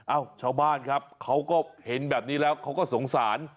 ชาวบ้านครับเขาก็เห็นแบบนี้แล้วเขาก็สงสาร